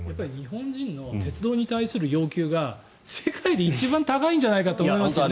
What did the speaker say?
日本人の鉄道に対する要求が世界で一番高いんじゃないかと思いますね。